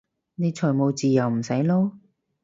你財務自由唔使撈？